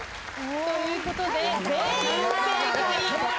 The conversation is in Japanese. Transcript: ということで全員正解。